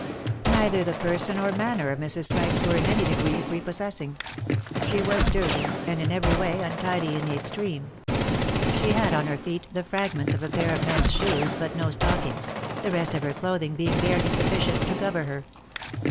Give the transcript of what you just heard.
Neither the person or manner of Mrs. Sykes were in any degree prepossessing ; she was dirty, and in every way untidy in the extreme. She had on her feet the fragments of a pair of men's shoes, but no stockings, the rest of her clothing being barely sufficient to cover her.